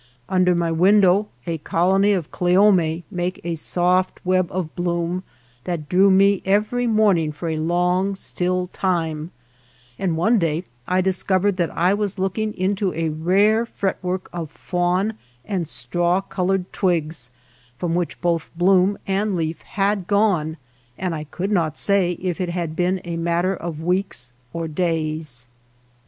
Under my window a colony of cleome made a soft web of bloom that drew me every morning for a long still time ; and one day I discovered that I was looking into a rare fretwork of fawn and straw col ored twigs from which both bloom and leaf had gone, and I could not say if it had been for a matter of weeks or days.